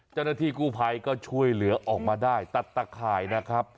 เจ้าหน้าที่กู้ภัยก็ช่วยเหลือออกมาได้ตัดตะข่ายนะครับ